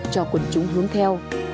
cho quân chúng hướng theo